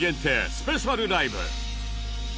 スペシャルライブ